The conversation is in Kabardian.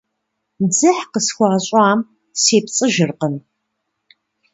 Дзыхь къысхуащӀам сепцӀыжыркъым.